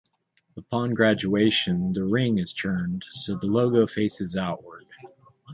Upon graduation, the ring is turned so the logo faces outward.